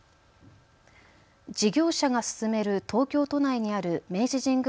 事業者が進める東京都内にある明治神宮